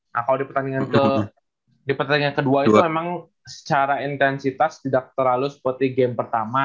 nah kalau di pertandingan kedua itu memang secara intensitas tidak terlalu seperti game pertama